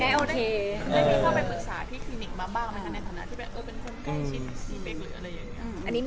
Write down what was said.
แม่มีเข้าไปปรึกษาที่คลินิกมาบ้างไหมคะ